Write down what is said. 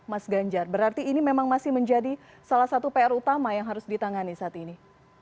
mas ganjar berarti ini memang masih menjadi salah satu pr utama yang harus ditangani saat ini